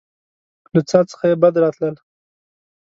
له څاه څخه يې بد راتلل.